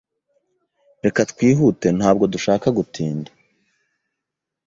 Reka twihute Ntabwo dushaka gutinda